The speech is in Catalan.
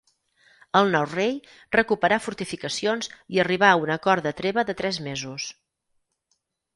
El nou rei recuperà fortificacions i arribà a un acord de treva de tres mesos.